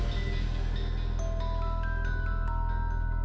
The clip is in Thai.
โปรดติดตามตอนต่อไป